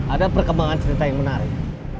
ada perkembangan cerita yang menarik